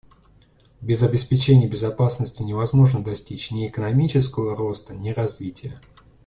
Без обеспечения безопасности невозможно достичь ни экономического роста, ни развития.